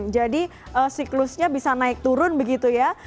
jadi siklusnya bisa naik turun begitu ya